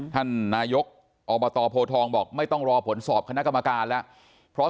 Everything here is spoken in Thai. ท่านนายกอบตโพทองบอกไม่ต้องรอผลสอบคณะกรรมการแล้ว